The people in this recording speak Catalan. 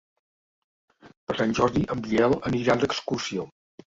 Per Sant Jordi en Biel anirà d'excursió.